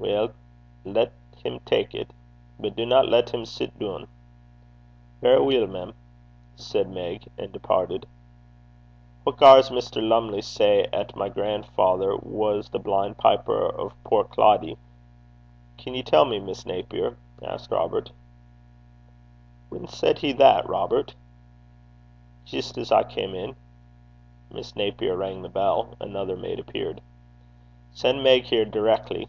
'Weel, lat him tak' it. But dinna lat him sit doon.' 'Verra weel, mem,' said Meg, and departed. 'What gars Mr. Lumley say 'at my gran'father was the blin' piper o' Portcloddie? Can ye tell me, Miss Naper?' asked Robert. 'Whan said he that, Robert?' 'Jist as I cam in.' Miss Napier rang the bell. Another maid appeared. 'Sen' Meg here direckly.'